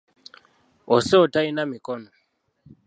Osero talina mikono.